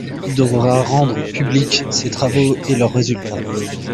Il devra rendre publics ses travaux et leurs résultats.